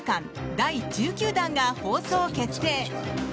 第１９弾が放送決定！